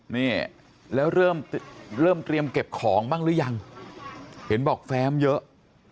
นี้แล้วเริ่มเก็บของบ้างหรือยังเห็นบอกแฟมเยอะ